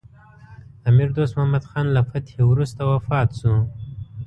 امیر دوست محمد خان له فتحې وروسته وفات شو.